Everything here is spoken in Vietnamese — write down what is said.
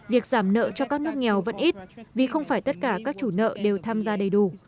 việc giảm nợ cho các nước nghèo vẫn ít vì không phải tất cả các chủ nợ đều tham gia đầy đủ